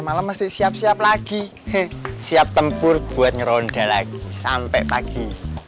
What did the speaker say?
malam mesti siap siap lagi siap tempur buat ngeronda lagi sampai pagi